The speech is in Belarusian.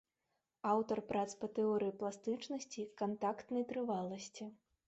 Аўтар прац па тэорыі пластычнасці, кантактнай трываласці.